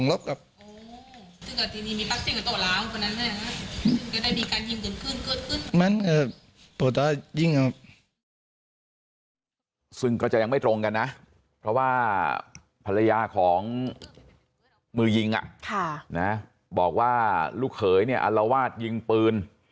ซึ่งก็จะยังไม่ตรงกันนะเพราะว่าภรรยาของมือยิงบอกว่าลูกเขยเนี่ยอัลวาดยิงปืน